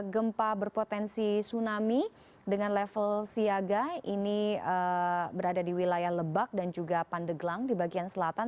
gempa berpotensi tsunami dengan level siaga ini berada di wilayah lebak dan juga pandeglang di bagian selatan